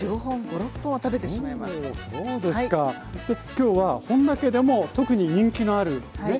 今日は本田家でも特に人気のあるね